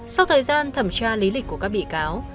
sau thời gian thẩm tra lý lịch của các bị cáo